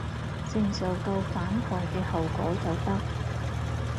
承受到反枱嘅後果就得